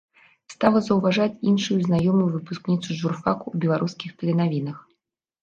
Стала заўважаць іншую знаёмую выпускніцу журфака ў беларускіх тэленавінах.